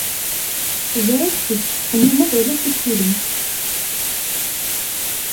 Ẓriɣ kecc tettxemmed ulac assirem.